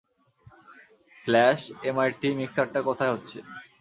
Flush, MIT মিক্সারটা কোথায় হচ্ছে?